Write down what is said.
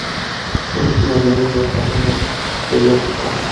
Sus últimos meses los pasó en un geriátrico.